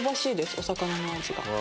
お魚の味が。